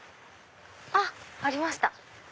あっありました！